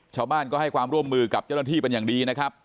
ชาวบ้านก็ให้ความร่วมมือกับเจ้าหน้าที่เป็นอย่างดีนะครับ